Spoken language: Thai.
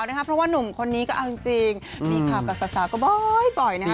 เพราะว่านุ่มคนนี้อันจริงมีความสาวก็บอยนะค่ะ